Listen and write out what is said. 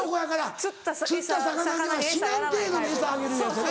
釣った魚には死なん程度に餌あげるいうやつやね。